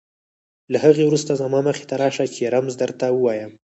له هغې وروسته زما مخې ته راشه چې رمز درته ووایم.